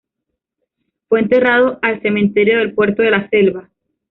Fue enterrado al cementerio del Puerto de la Selva.